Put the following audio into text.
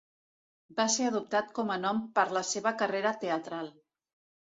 Va ser adoptat com a nom per la seva carrera teatral.